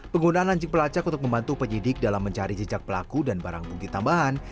penggunaan anjing pelacak untuk membantu penyidik dalam mencari jejak pelaku dan barang bukti tambahan